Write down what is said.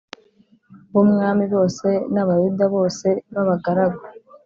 b umwami bose n Abayuda bose b abagaragu